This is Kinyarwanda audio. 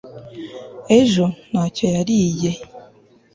ejo ntacyo yariye